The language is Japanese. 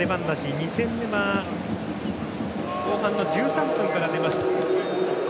２戦目は後半の１３分から出ました。